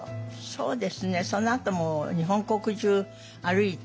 そうですねそのあとも日本国中歩いて。